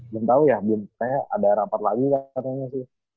gak tau ya misalnya ada rapat lagi katanya sih